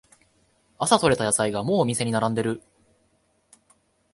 朝とれた野菜がもうお店に並んでる